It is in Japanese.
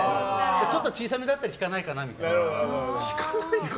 ちょっと小さめだったら引かないかなみたいな。